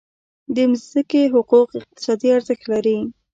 د ځمکې حقوق اقتصادي ارزښت لري.